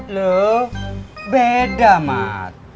lo beda mat